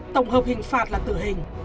tổng hợp hình phạt là tử hình